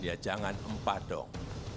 ya jangan empah dong